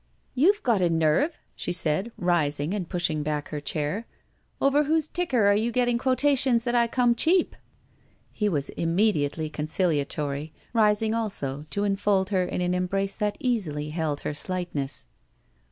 "You've got a nerve!" she said, rising and pushing back her chair. "Over whose ticker are you getting quotations that I come cheap?" He was immediately conciliatory, rising also to enfold her in an embrace that* easily held her slightness.